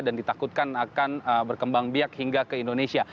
dan ditakutkan akan berkembang biak hingga ke indonesia